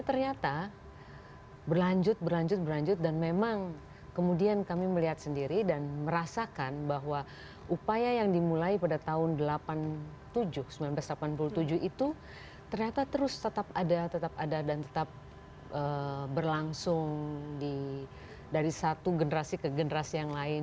ternyata berlanjut berlanjut berlanjut dan memang kemudian kami melihat sendiri dan merasakan bahwa upaya yang dimulai pada tahun seribu sembilan ratus delapan puluh tujuh itu ternyata terus tetap ada dan tetap berlangsung dari satu generasi ke generasi yang lain